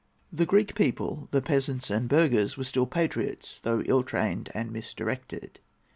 The Greek people—the peasants and burghers—were still patriots, though ill trained and misdirected.